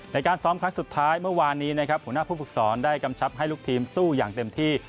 ในการซ้อมครั้งสุดท้ายเมื่อวานนี้นะครับหัวหน้าผู้ฝึกศรได้กำชับให้ลูกทีมสู้อย่างเต็มที่